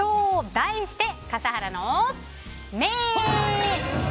題して笠原の眼！